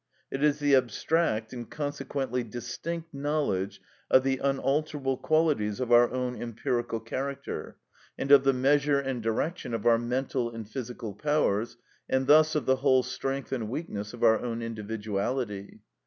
It is the abstract, and consequently distinct, knowledge of the unalterable qualities of our own empirical character, and of the measure and direction of our mental and physical powers, and thus of the whole strength and weakness of our own individuality.